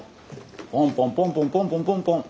ポンポンポンポンポンポンポンポン